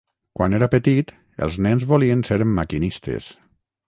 Quan era petit, els nens volien ser maquinistes.